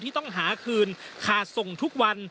ต้องหาคืนขาดส่งทุกวัน